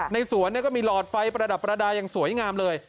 ในสวนก็มีหลอดไฟประดับประดาษอย่างสวยงามเลย